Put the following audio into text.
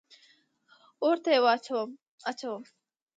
اور ته دې اچوم.